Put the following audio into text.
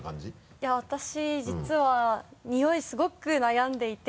いや私実はニオイすごく悩んでいて。